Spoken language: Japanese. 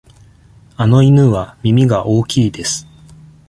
あの犬は耳が大きいです。